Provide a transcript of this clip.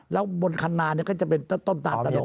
แล้วบนคันนาเนี่ยก็จะเป็นต้นตาตะโนด